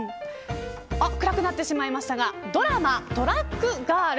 暗くなってしまいましたがドラマ、トラックガール。